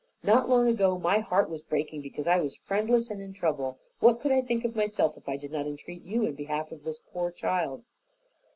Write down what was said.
Not long ago my heart was breaking because I was friendless and in trouble. What could I think of myself if I did not entreat you in behalf of this poor child?"